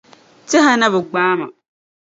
Tɛha na bi gbaa’ ma.